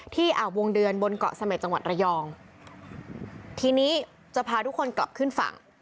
อ่าวงเดือนบนเกาะเสม็ดจังหวัดระยองทีนี้จะพาทุกคนกลับขึ้นฝั่ง